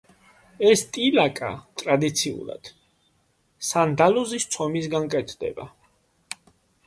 ეს ტილაკა, ტრადიციულად, სანდალოზის ცომისგან კეთდება.